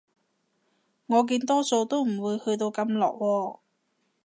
我見多數都唔會去到咁落喎